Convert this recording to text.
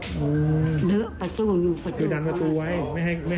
หลักประตูคือดังประตูไว้ไม่ให้สิ่งเข้าใช่ไหมครับ